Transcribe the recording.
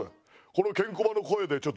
このケンコバの声でちょっと。